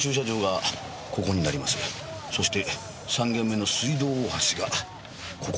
そして３件目の水道大橋がここ。